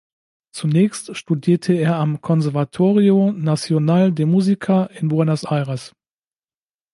Zunächst studierte er am "Conservatorio Nacional de Musica" in Buenos Aires.